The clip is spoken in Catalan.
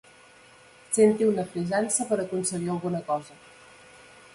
Senti una frisança per aconseguir alguna cosa.